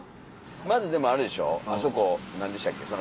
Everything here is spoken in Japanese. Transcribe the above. まずでもあれでしょあそこ何でしたっけ？